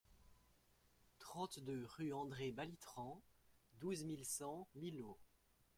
trente-deux rue André Balitrand, douze mille cent Millau